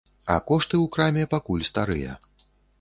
А кошты ў краме пакуль старыя.